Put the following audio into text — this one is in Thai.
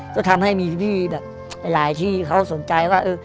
ก็ทำให้มีพี่แบบหลายที่เขาสนใจว่า